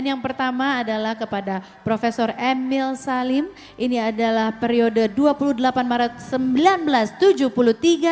yang pertama adalah kepada prof emil salim ini adalah periode dua puluh delapan maret seribu sembilan ratus tujuh puluh tiga